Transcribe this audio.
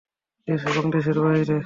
দেশে এবং দেশের বাহিরে!